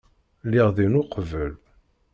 Lliɣ din uqbel.